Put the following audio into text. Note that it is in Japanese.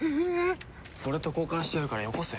これと交換してやるからよこせ。